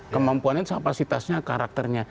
kemampuannya sapasitasnya karakternya